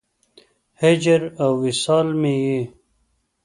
هجر او وصال مې یې